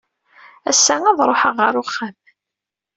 Ass-a ad ruḥeɣ ɣer uxxam.